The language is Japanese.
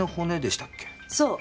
そう。